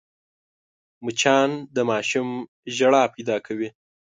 مچان د ماشوم ژړا پیدا کوي